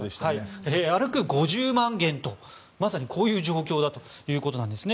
歩く５０万元というまさにこういう状況だということなんですね。